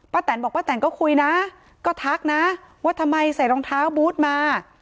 แตนบอกป้าแตนก็คุยนะก็ทักนะว่าทำไมใส่รองเท้าบูธมา